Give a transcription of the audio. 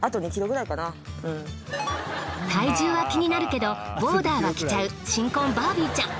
体重は気になるけどボーダーは着ちゃう新婚バービーちゃん。